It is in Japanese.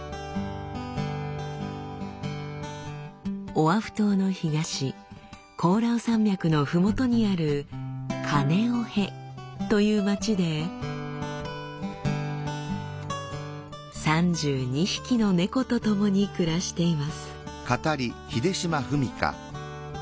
オアフ島の東コオラウ山脈のふもとにあるカネオヘという町で３２匹の猫とともに暮らしています。